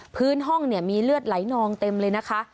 พื้นห้องเนี่ยมีเลือดไหลนองเต็มเลยนะคะ